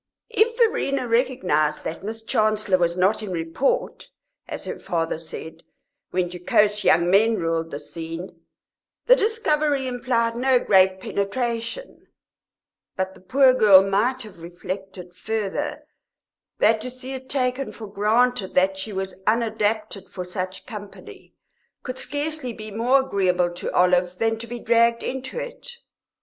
If Verena recognised that Miss Chancellor was not in report, as her father said, when jocose young men ruled the scene, the discovery implied no great penetration; but the poor girl might have reflected further that to see it taken for granted that she was unadapted for such company could scarcely be more agreeable to Olive than to be dragged into it.